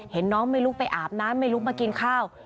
เห็นน้องไม่ลุกไปอาบน้ำไม่ลุกมากินข้าว